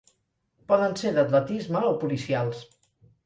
Poden ser d'atletisme o policials.